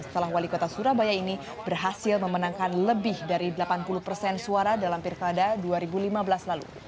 setelah wali kota surabaya ini berhasil memenangkan lebih dari delapan puluh persen suara dalam pilkada dua ribu lima belas lalu